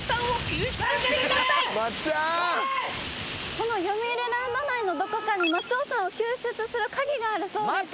このよみうりランド内のどこかに松尾さんを救出する鍵があるそうです。